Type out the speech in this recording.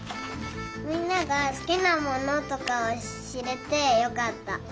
みんながすきなものとかをしれてよかった。